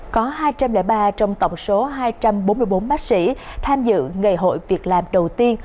có hai trăm linh ba trong tổng số hai trăm bốn mươi bốn bác sĩ tham dự ngày hội việc làm đầu tiên